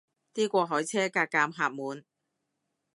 啲過海車架架客滿